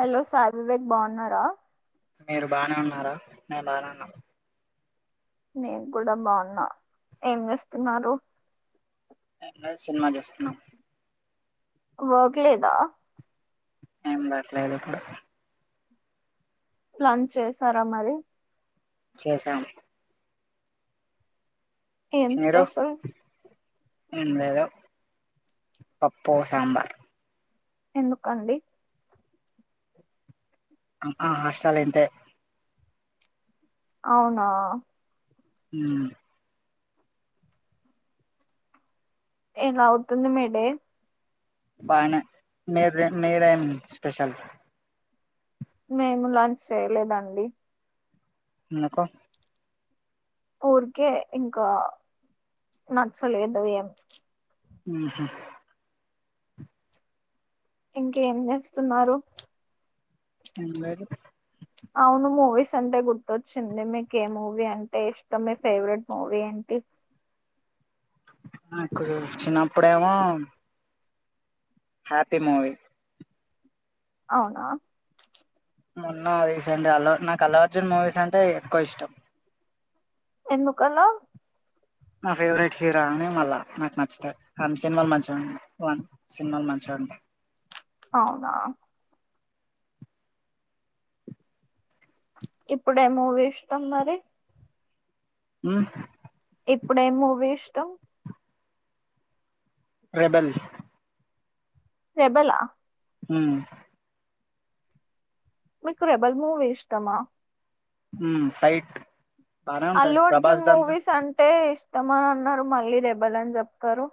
Hello సా వివేక్ బాగున్నారా మీరు బానే ఉన్నారా మేము బానే ఉన్నాం నేను కూడా బాగున్నా ఏం చేస్తున్నారు అ సినిమా చేస్తున్నాం వర్క్లేదా ఏం బట్లేదు కూడాడు ప్లంచ చేసారా మరి చేశాము ఏం స్పెషల్స్ ఎమ్ లెధు పప్పు సాంబార్ ఎందుకండి ఆ హర్షాల ఇంత్ అవునా ఉమ్ ఎలా అవుతుంది మీడే బానే మీరు మీరం స్పెషల్ మేము లాంచ్ చేయలేదండి ఎందుకు ఊరికే ఇంకా నచ్చలేదు ఏం ఉహుమ్ ఇంకేం చేస్తున్నారు ఎరు అవును మూవీస్ అంటే గుత్వాచిన్ది మీకు ఏ మూవీ అంటే ఇష్ట మీ ఫేవరెట్ మూవీ ఏంటి నాకుడు చిన్నప్పుడేమో హ్యాపీ మూవీ అవునా మోనా రీసెంట్ అ నా అల్లు అల్లు అర్జున్ మూవీస్ అంటే ఎక్కువ ఇష్టం ఎందుకలా నా ఫేవరెట్ హీరో అని మళ్ళా నాకు నచ్చుతాయి కానీ సినిమాలు మంచిగా ఉంటాయిన్ సినిమాలు మంచిగా ఉంటాయి అవునా ఇప్పుడేమూవీ ఇష్టాం మరి ఉమ్ ఇపుడు ఎమ్ మూవీ ఇష్టం రెబల్ రెబలా ఉమ్ మీకు రెబల్ మూవీ ఇష్టమా ఉమ్ సైట్ అల్లు అర్జున్ మూవీస్ అంటే ఇ ష్టం మత్తమని అన్నారు మళ్ళీ రెబ్బాలని చెప్తారు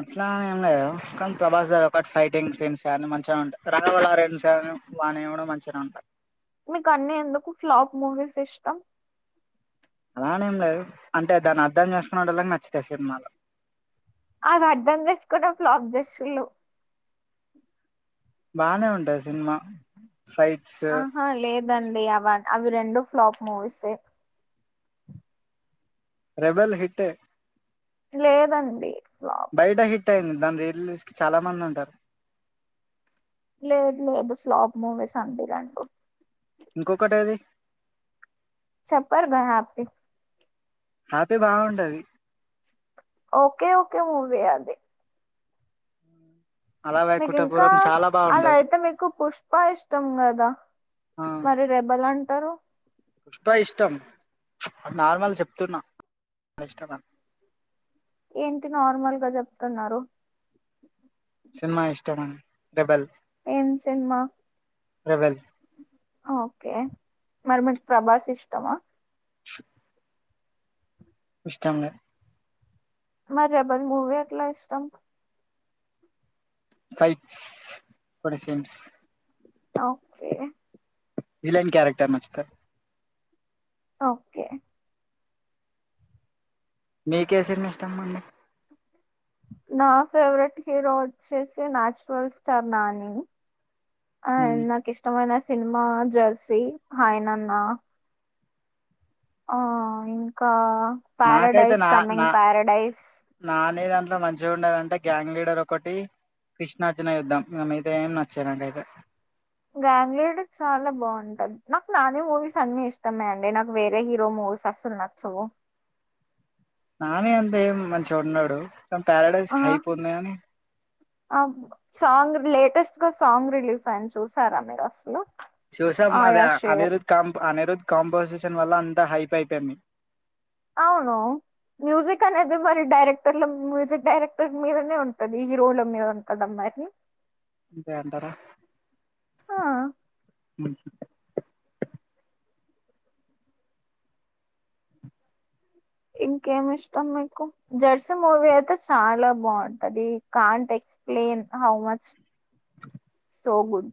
అట్లా ఏం లేదు కానీ ప్రభాస్ గర్ ఒకటి ఫైటింగ్ సీన్స్ కానీ మంచిగా ఉంటాయి రన్స్ రాఘవ లారెన్స్ వాని మంచిగా ఉంటాయి మీకు అన్ని ఎందుకు ఫ్లాప్ మూవీస్ ఇష్టం అలానే ఏం లేదు అంటే దాన్ని అర్ధం చేసుకునేటలాకి నచ్చితే సినిమాలో అది అర్ధం చేసుకుంట ఫ్లాప్ చెసిన్లు బానే ఉంటాది ఆహా లేదండి అవన్ అవి రెండు ఫ్లాప్ మూవీస్సే రెబెల్ హిట్టే లేదండి ఫ్లాప్ బయట హిట్టయింది దాని రీ రిలీజ్ కి చాలా మంది ఉంటారు లేదు లేదు ఫ్లాప్ మూవీస్ అందరు అంటరు ఇంకొకటేది చెప్పారుగా హ్యాపీ హ్యాపీ బాగుంటది ఓకే ఓకే మూవీ అది అలాగే మీకు ఇంకా కుటపురం చాలా అలా బాగుంటది అయితే మీకు పుష్ప ఇష్టం కదా ఆ మరి రెబల్ అంట్ బా ఇష్టం నార్మల్ చెప్తున్నా ఆ ఇష్టం ఏంటి నార్మల్గా చెప్తున్నారు సినిమా ఇష్టం అని రేబల్ ఏం సినిమా రెబెల్ ఓకే మరి మీకు ప్రభాస్ ఇష్టమా ఇష్టం లే మరి రెబర్ మూవీ ఎట్లా ఇష్టం ఫైట్స్ కొన్ని సీన్స్ ఒకే విలన్ క్యారెక్టర్ నచ్చుతది ఓకే మీకే సినిమా ఇష్టంమండి నా ఫేవరెట్ హీరో వచ్చేసి నాన్చురల్ స్టార్ నాని ఆ ఉమ్. నాకి ఇష్టమైన ఆ జెర్సీ హాయ్ నాన్న ఆ ఇంకా నాకైతే ప్యారాడైస్ కమింగ్ ప్యారాడైస్ నానీ దాంట్లో మంచిగుండేదాంటే గ్యాంగ్ లీడర్ ఒకటి కృష్ణార్జున యుద్ధం ఇగ మిగతా ఏం నచ్చయి నాక్ అయితే గ్యాంగ్ లీడర్ చాలా బాగుంటది నాకు నాని మూవీస్ అన్ని ఇష్టమే అండి నాకు వేరే హీరో మూవీస్ అసలు నచ్చవు నాని అంతే ఎం మంచిగుండడు ప్యారడైస్ ఆ హైప్ ఉన్నదని ఆ సాంగ్ లేటెస్ట్ గా సాంగ్ రిలీజ్ అయ్యింది చూసారా మీరు అసలు చూసాం ఆయా అదా షేర్ అనిరుద్ కాం అనిరుద్ కాంపోజిషన్ వల్ల అంత హైప్ అయిపోయింది అవును మ్యూజిక్ అనేది మరి డైరెక్టర్ల మ్యూజిక్ డైరెక్టర్ మీదనే ఉంటది హీరోల మీద ఉంటదా మరి అంతే అంటారా ఆ అ ఇంకేమి ఇష్టం మీకు జర్సీ మూవీ అయితే చాలా బాగుంటది can't explain how much [inaudible] so good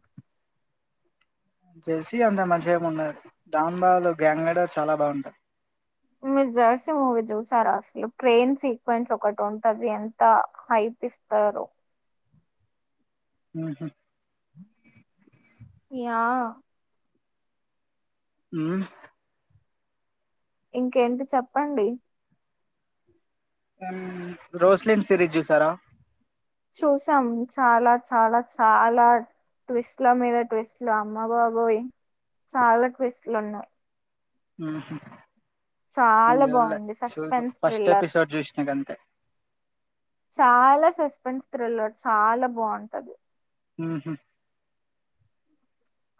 Jersey అంత మంచిగా ఉండదు డాన్ బాలో గ్యాంగ్ లీడర్ చాలా బాగుంటది మీరు జర్సీ మూవీ చూసారా అస్సలు ట్రైన్ సీక్వెన్స్ ఒకటి ఉంటుంది ఎంత హైప్ ఇస్తారు ఊహు ఇగ ఊ ఇంకేంటి చెప్పండి గన్ రోస్లిన్ సిరీజ్ చూసారా చూసాం చాలా చాలా చాలా ట్విస్ట్ల మీద ట్విస్ట్లు అమ్మబాబోయ్ చాలా ట్విస్ట్లు ఉన్నాయి ఆహా చాలా బాగుంది సస్పెన్స్ ఫస్ట్ థ్రిల్లర్ ఎపిసోడ్ చూసినా గంతే చాలా సస్ సస్పెన్స్ థ్రిల్లర్ చాలా బాగుంటది ఆహా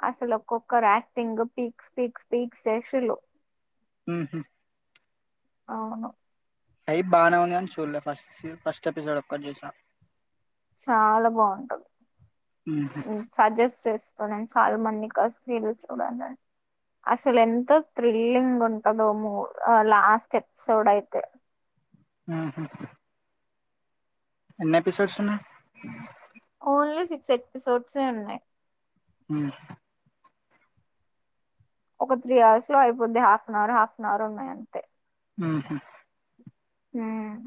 అస్సలు ఒక్కొక్కరు యాక్టింగ్ పిక్ స్పీక్ స్పీక్ స్టేషలు ఊహు అవును అయి బానే ఉన్నాయని చూడలే ఫస్ట్సి ఫస్ట్ ఎపిసోడ్ ఒక్కటే చూసా చాలా బాగుంటది ఉహు ఉ సజెస్ట్ చేస్ కొనైన్ చాలా మంది కలిసి టీవి చూడలండి అస్సలు ఎంతో థ్రిల్లింగ్ ఉంటదో మూడ్ లాస్ట్ ఎపిసోడ్ అయితే ఊహు ఎన్ని ఎపిసోడ్స్ ఉన్నాయ్ ఓన్లీ సిక్ సెప్పి సోడ్సే ఉన్నాయ్ మ్ ఒక త్రీ అవర్స్ లో అయిపోద్ది half an hour half an hour ఉన్నాయి అంతే ఊహు మ్మ్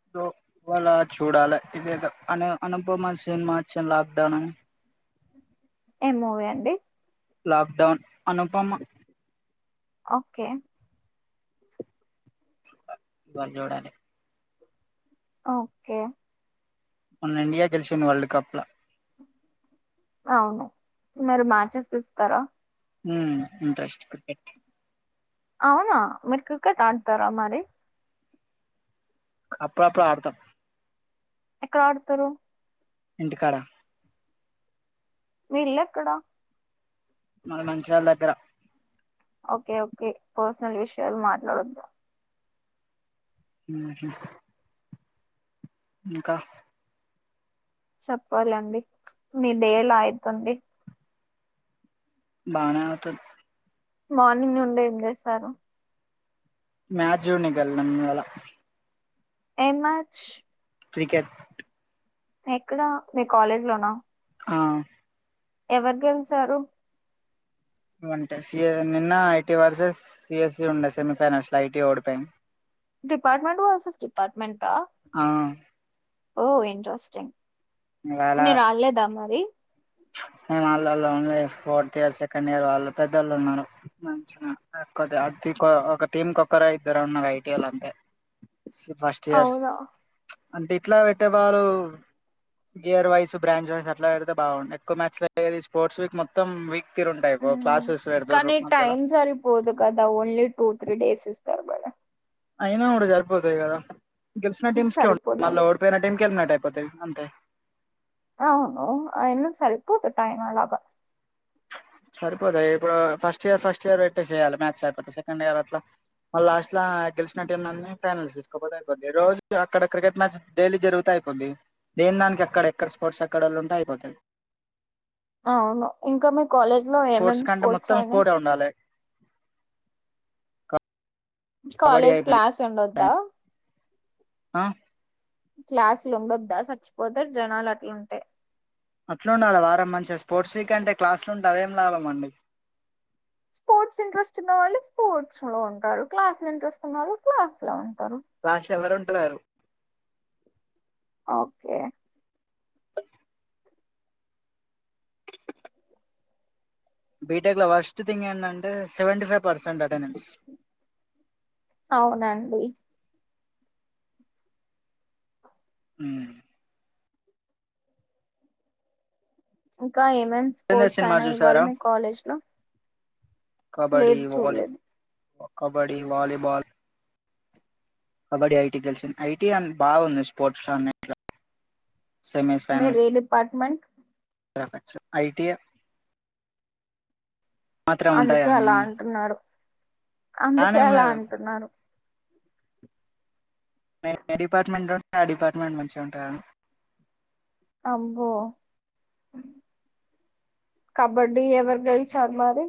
[unintelligible] ఏమ్ మూవీ అండి లాక్ డౌన్ అనుపమా ఓకే బర్ బర్ జూడాలే ఓకె మన్న ఇండియా గెలిచింది వరల్డ్ కప్ లో అవును మరి మ్యాచెస్ చూస్తార ఉమ్ ఇంట్రెస్ట్ అవునా మర క్రికెట్ ఆడతారా మరి అప్పుడుప్పుడు ఆడతా ఎక్కడ ఆడుతారు ఇంటికాడ మీ ఇల్లేక్కడ మాది నంచార్ల దగ్గర ఓకే ఓకే పర్సనల్ విషయాలు మాట్లాడొద్దు ఊహు ఇంకా చెప్పాలండి మీ డే ఎలా అయితుంది బానే అవుతది మార్నింగ్ నుండి ఏం చేస్తారు మ్యాచ్ జూన్నీకి వెళ్లినం ఇవాళ ఏమ్ మ్యాచ్ క్రికెట్ ఎక్కడ మీ కాలేజ్ లోనా ఆ ఎవరు గెలిచారు అంటేస్ సీఎ నిన్న ఐటీ వర్సెస్ సిఎస్సి ఉండె సెమీ ఫైనాన్షిల్ ఐటీ ఓడిపోయింది డిపార్ట్మెంట్ వర్సెస్ డిపార్ట్మెంటా ఆ ఓ ఇంట్రెస్టింగ్ మీరు ఆల్లేదా మరి వాళ్ళళఓన్లీ ఫోర్త్ ఇయర్ సెకండ్ ఇయర్ వాళ్ళు పెద్దోళ్ళు ఉన్నారు మంచిగా ఒక టీంక్కరు ఇద్దరు ఉన్నారు ఐటిఎల్ అంతే ఫస్ట్ ఇయర్స్ అవునా! అంటే ఇట్లా పెట్టేబారు ఇయర్ వైజ్ బ్రాంచ్ వైజ్ అట్లాడితే బాగుంటాయి ఒక మ్యాచ్ లో డైలీ స్పోర్ట్స్ వీక్ మొత్తం వీక్ తీరు ఉంటాయి ఉ క్లాసెస్ పెడతారు కానీ మధ్యలో టైమ్ సరిపోదు కదా ఓన్లీ టూ త్రీ డేస్ ఇస్తారు కదా! అయినా కూడా సరిపోతాయి కదా గెలిచిన టీం కి ఉంటాయి సరిపోదండి. ఓడిపోయిన టీం కి ఎలిమినేటెడ్ పోతే అంతే అవును అయినా సరిపోదు టైం అలాగా సరిపోతాయి ఇప్పుడు ఫస్ట్ ఇయర్ ఫస్ట్ ఇయర్ పెట్టే చేయాలి మ్యాచ్ అయిపోతతే సెకండ్ ఇయర్ అట్లా మళ్ళ లాస్ట్ లా గెలిచిన టీంన్ని ఫైనల్స్ తీసుకోపోతే అయిపోంది రోజు అక్కడ క్రికెట్ మ్యాచ్ డైలీ జరుగుత అయిపోంది దేని దానికి అక్కడ ఎక్కడ స్పోర్ట్స్ అక్కడ వాళ్ళు ఉంటే అయిపోతాయి అవును ఇంకా మీ కాలేజ్ లో ఏమేం స్పోర్ట్స్ అయినాయ్ క కాలేజ్ క్లాస్ ఉండొద్దా ఆ క్లాసులు ఉండొద్ద చచ్చిపోతారు జనాలు అట్లుంటే అట్లు ఉండాలి వారం మంచిగా స్పోర్ట్స్ వీక్ అంటే క్లాసులు ఉంటే అదేం లాభం అండి స్పోర్ట్స్ ఇంట్రెస్ట్ ఉన్న వాళ్ళు స్పోర్ట్స్ లో ఉంటారు క్లాస్ లో ఇంట్రెస్ట్ ఉన్నారు క్లాస్ లో ఉంట ప్లాష్ ఎవరున ల్లారు ఓకే బీటెక్ లో వస్ట్ థింగ్ ఏంటంటే సెవంటీఫైవ్ పర్సెంట్ అటెండెన్స్ అవునండి. అ ఓకే ఇంకా ఏమేం స్పోర్ట్స్ సినిమా అయినాయ్ ఇవ్వాల మీ కాలేజ్ లో kabaddi volley kabaddi volleyball kabaddi IT గెలిచింది ఐటీ బాగుంది స్పోర్ట్స్ లో అన్నిట్లో మీర్ ఏ డిపార్ట్మెంట్ ప్రపంచం ఐటిఐ అందుకే అలా అంటున్నారు అందుకే బానే అలా ఉన్నది అంటున్నాను నేను ఏ డిపార్ట్మెంట్లో ఉంటే ఆ డిపార్ట్మెంట్ మంచిగా ఉంటదా అబ్బో కబడ్డీ ఎవరు గెలిచారు మరి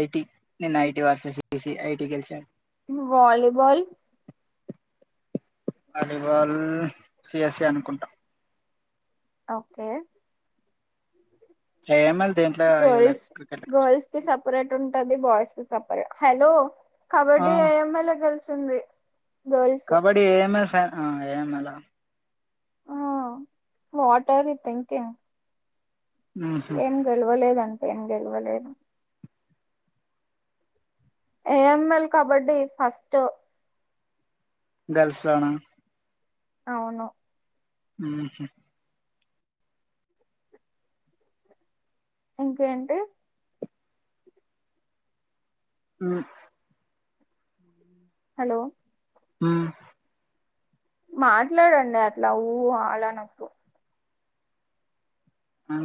ఐటి నేను ఐటి వర్సస్ ఏసీ ఐటి గెలిసా వాలీబాల్ వాలీబాల్ సిఎస్ఏ అనుకుంటా ఓకే ఏఎంఎల్ దేంట్లో ఎయ్యలే గర్ల్స్ క్రికెట్ గర్ల్స్ కి సెపరేట్ ఉంటది బాయ్స్ కి కి సెప హలో ఆ కబడ్డీ ఏఎంఎలా గెలుసు తుంది కబడ్డీ ఏన్ ఏ ఫాన్ ఆ ఏమెల ఆ వాట్ ఆర్ యూ థింకింగ్ ఉహు ఏం గెలవ లేదన్ ఏం గెలవలేదు ఏఎంఎల్ కబడ్డీ ఫస్ట్ గర్ల్స్ లోన అవును హుహు ఇంకేంటి ఉ హలో ఊ మాట్లాడండి అట్లా ఊ అలా అనొద్దు ఆ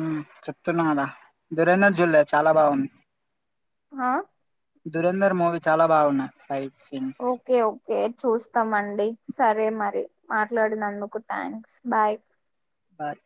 చెప్తున్నావు కదా దురంధర్ చూల్లా చాలా బాగుంది హా దురంధర్ మూవీ చాలా బాగున్నాయి సాయి ఓకే ఓకే చూస్తామండి సరే మరి మాట్లాడినందుకు థ్యాంక్స్ బాయ్ బాయ్